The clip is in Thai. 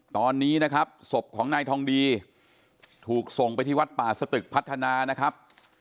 ตอนนี้นะครับศพของนายทองดีถูกส่งไปที่วัดป่าสตึกพัฒนานะครับ